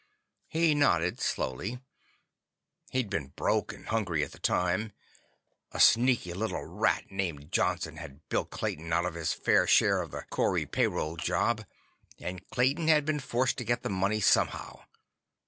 He nodded slowly. He'd been broke and hungry at the time. A sneaky little rat named Johnson had bilked Clayton out of his fair share of the Corey payroll job, and Clayton had been forced to get the money somehow.